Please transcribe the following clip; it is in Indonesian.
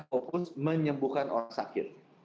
fokus menyembuhkan orang sakit